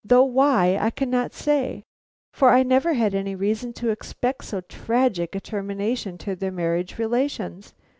Though why, I cannot say, for I never had any reason to expect so tragic a termination to their marriage relations.